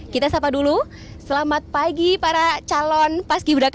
kita sapa dulu selamat pagi para calon paski braka dua ribu tujuh belas